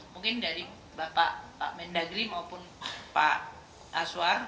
mungkin dari bapak pak mendagri maupun pak aswar